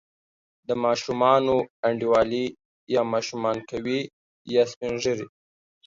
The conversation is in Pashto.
د ماشومانو انډیوالي یا ماشومان کوي، یا سپین ږیري.